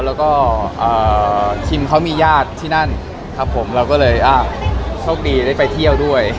แล้วก็คิมเขามีญาติที่นั่นครับผมเราก็เลยโชคดีได้ไปเที่ยวด้วย